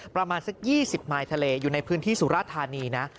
ประมาณสัก๒๐มายทะเลอยู่ในพื้นที่สุราธานีนะ